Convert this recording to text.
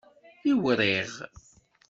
Iwriɣ.